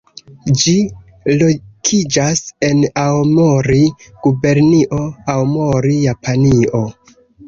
Ĝi lokiĝas en Aomori, Gubernio Aomori, Japanio.